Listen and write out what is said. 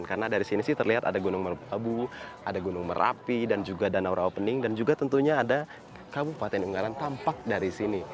karena dari sini sih terlihat ada gunung melapu ada gunung merapi dan juga danau rawapening dan juga tentunya ada kabupaten ungaran tampak dari sini